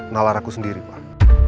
nalar aku sendiri pak